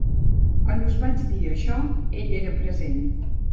Quan us vaig dir això, ell era present.